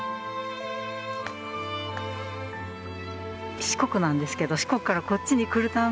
四国なんですけど四国からこっちに来るたんび